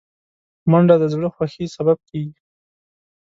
منډه د زړه خوښۍ سبب کېږي